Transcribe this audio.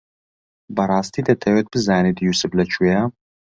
بەڕاستی دەتەوێت بزانیت یووسف لەکوێیە؟